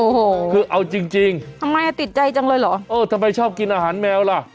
โอ้โหคือเอาจริงจริงทำไมอ่ะติดใจจังเลยเหรอเออทำไมชอบกินอาหารแมวล่ะ